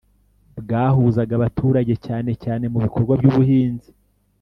bwahuzaga abaturage cyane cyane mu bikorwa by'ubuhinzi